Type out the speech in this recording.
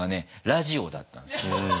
ラジオだったんですよね。